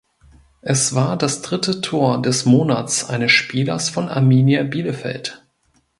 Es war das dritte Tor des Monats eines Spielers von Arminia Bielefeld.